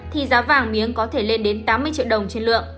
thì giá vàng miếng có thể lên đến tám mươi triệu đồng trên lượng